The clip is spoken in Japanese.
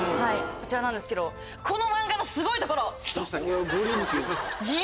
こちらなんですけどこの漫画のすごいところ！